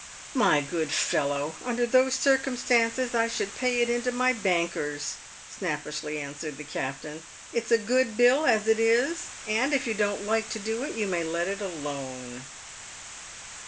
" My good fellow ! under those circumstances I should pay it into my banker's," snappishly answered the captain. " It's a good bill aa it is, and, if you don't like to do it, you may let it alone."